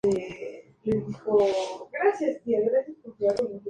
Fue enterrado en Pozuelo de Alarcón.